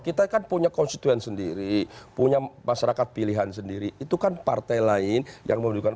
kita kan punya konstituen sendiri punya masyarakat pilihan sendiri itu kan partai lain yang membutuhkan